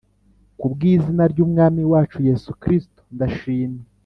ku bw izina ry Umwami wacu Yesu Kristo ndashimye